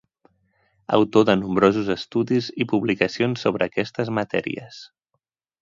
Autor de nombrosos estudis i publicacions sobre aquestes matèries.